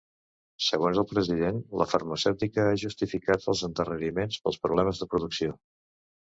Segons el president, la farmacèutica ha justificat els endarreriments pels problemes de producció.